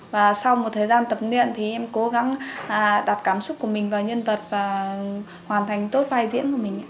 và sau một thời gian tập luyện thì em cố gắng đặt cảm xúc của mình vào nhân vật và hoàn thành tốt vai diễn của mình